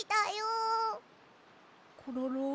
コロロ。